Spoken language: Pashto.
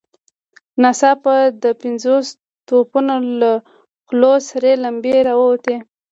ناڅاپه د پنځوسو توپونو له خولو سرې لمبې را ووتې.